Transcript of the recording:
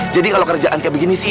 jadi kalau kerjaan kayak begini sih